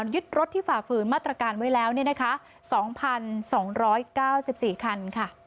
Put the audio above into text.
ยึดรถที่ฝ่าฝืนมาตรการไว้แล้ว๒๒๙๔คันค่ะ